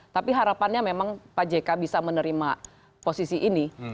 tapi harapannya memang pak jk bisa menerima posisi ini